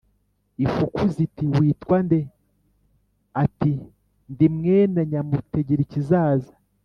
Ifuku ziti: "Witwa nde?" Ati: "Ndi mwene Nyamutegerikizaza"